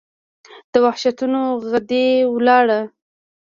د وحشتونو ، غدۍ وَلاړه